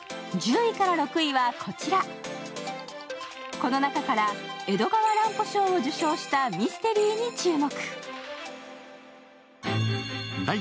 この中から江戸川乱歩賞を受賞したミステリーに注目。